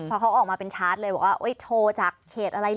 พอเขาออกมาเป็นชาร์จเลยบอกว่าโทรจากเขตอะไร